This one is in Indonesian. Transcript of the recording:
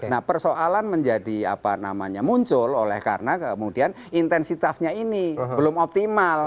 nah persoalan menjadi apa namanya muncul oleh karena kemudian intensitasnya ini belum optimal